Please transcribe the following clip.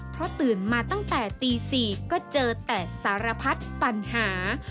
เพราะตื่นมาตั้งแต่ตี๔ก็เจอแต่สารพัดปัญหา